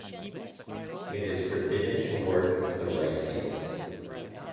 It is forbidden to work at the rice-fields.